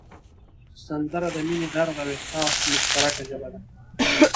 سندره د مینې، درد او احساس مشترکه ژبه ده